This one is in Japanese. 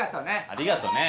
ありがとね。